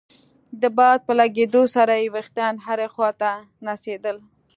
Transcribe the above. د باد په لګېدو سره يې ويښتان هرې خوا ته نڅېدل.